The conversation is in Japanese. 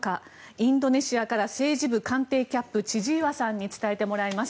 インドネシアから政治部官邸キャップ千々岩さんに伝えてもらいます。